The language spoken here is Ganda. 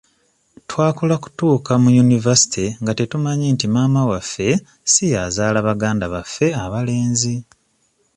Twakula kutuuka mu yunivaasite nga tetumanyi nti maama waffe si y'azaala baganda baffe abalenzi.